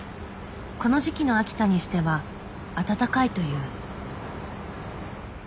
この時期の秋田にしては暖かいという。